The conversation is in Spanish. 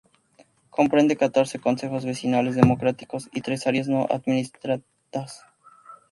Comprende catorce consejos vecinales democráticos y tres áreas no administradas.